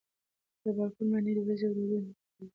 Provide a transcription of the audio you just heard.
پر بالکن باندې د ورېځو او دودونو ګډوله خپره وه.